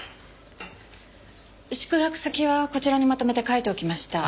宿泊先はこちらにまとめて書いておきました。